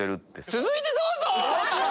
続いてどうぞ！